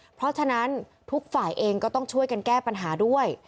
เพราะฉะนั้นทุกฝ่ายเองก็ต้องช่วยกันแก้ปัญหาด้วย